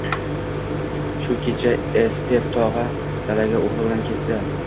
Shu kecha Estev tog`a dalaga o`g`li bilan ketdi